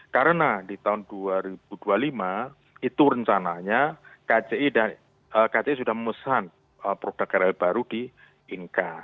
karena di tahun dua ribu dua puluh lima itu rencananya kci sudah memesan produk krl baru di inka